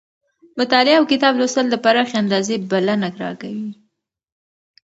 مطالعه اوکتاب لوستل د پراخې اندازې بلنه راکوي.